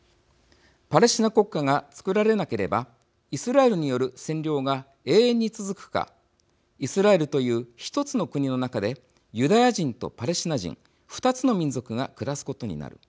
パレスチナ国家がつくられなければイスラエルによる占領が永遠に続くかイスラエルという１つの国の中でユダヤ人とパレスチナ人２つの民族が暮らすことになる。